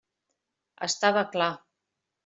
Estava clar!